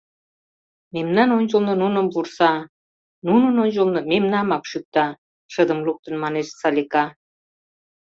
— Мемнан ончылно нуным вурса, нунын ончылно мемнамак шӱкта, — шыдым луктын манеш Салика.